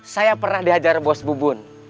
saya pernah diajar bos bubun